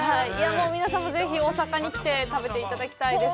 皆さんもぜひ大阪に来て、食べていただきたいです。